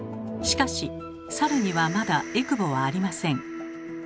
しかしサルにはまだえくぼはありません。